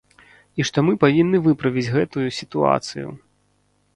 І што мы павінны выправіць гэтую сітуацыю.